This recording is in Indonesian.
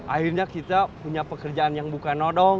akhirnya kita punya pekerjaan yang bukan nodong